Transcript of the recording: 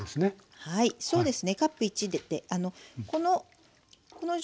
はいそうですね。